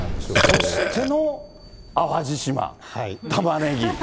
そしての淡路島、たまねぎ。